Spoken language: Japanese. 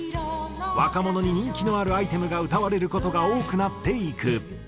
若者に人気のあるアイテムが歌われる事が多くなっていく。